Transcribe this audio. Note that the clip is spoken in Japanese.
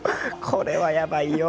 これはやばいよ。